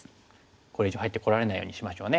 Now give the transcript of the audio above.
これ以上入ってこられないようにしましょうね。